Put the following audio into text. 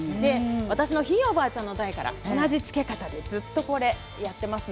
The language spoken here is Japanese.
私のひいおばあちゃんの代から同じ漬け方でずっとやっています。